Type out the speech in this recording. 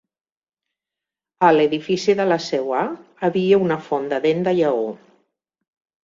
A l'edifici de la seu ha havia una font de dent de lleó.